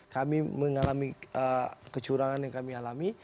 kami mengalami kecurangan yang kami alami